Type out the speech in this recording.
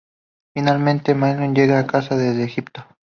Finalmente Menelao llega a casa desde Egipto.